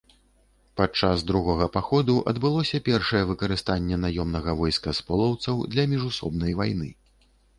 Падчас другога паходу адбылося першае выкарыстанне наёмнага войска з полаўцаў для міжусобнай вайны.